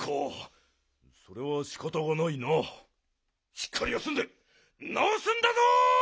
しっかり休んでなおすんだぞ！